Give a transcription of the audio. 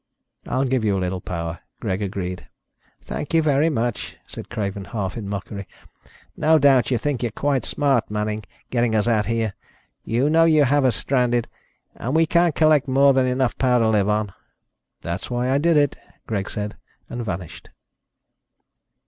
"I'll give you a little power," Greg agreed. "Thank you very much," said Craven, half in mockery. "No doubt you think yourself quite smart, Manning, getting us out here. You know you have us stranded, that we can't collect more than enough power to live on." "That's why I did it," Greg said, and vanished.